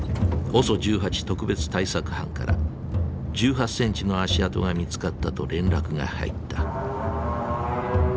特別対策班から１８センチの足跡が見つかったと連絡が入った。